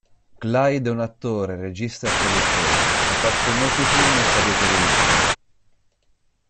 Clyde è un attore, regista e produttore, apparso in molti film e serie televisive.